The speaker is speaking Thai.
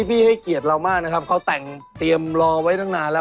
พี่ให้เกียรติเรามากนะครับเขาแต่งเตรียมรอไว้ตั้งนานแล้ว